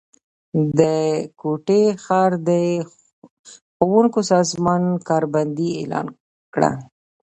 د کوټي ښار د ښونکو سازمان کار بندي اعلان کړه